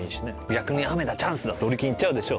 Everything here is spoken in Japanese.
逆に雨だチャンスだってオリキンいっちゃうでしょ？